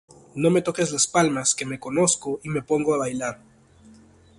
No me toques las palmas que me conozco y me pongo a bailar.